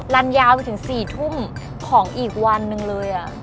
รันยาวไปถึง๔ทุ่มของอีกวันหนึ่งเลย